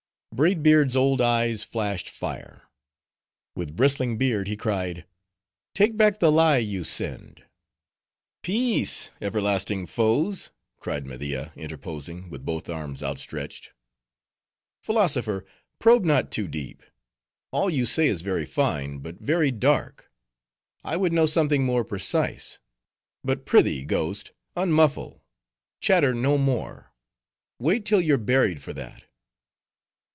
Braid Beard's old eyes flashed fire. With bristling beard, he cried, "Take back the lie you send!" "Peace! everlasting foes," cried Media, interposing, with both arms outstretched. "Philosopher, probe not too deep. All you say is very fine, but very dark. I would know something more precise. But, prithee, ghost, unmuffle! chatter no more! wait till you're buried for that."